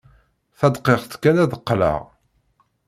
Tadqiqt kan ad d-qqleɣ.